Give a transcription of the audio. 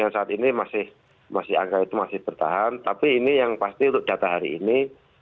dan saat ini angka itu masih bertahan tapi ini yang pasti untuk data hari ini